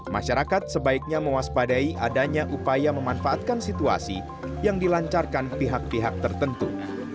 masyarakat sebaiknya mewaspadai adanya upaya memanfaatkan situasi yang dilancarkan pihak pihak tertentu